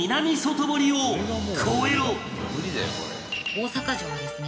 大阪城はですね